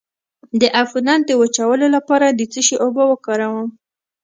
د عفونت د وچولو لپاره د څه شي اوبه وکاروم؟